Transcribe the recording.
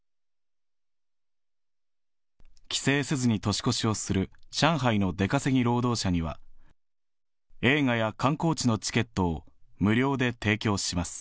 帰省せずに年越しをする上海の出稼ぎ労働者には、映画や観光地のチケットを無料で提供します。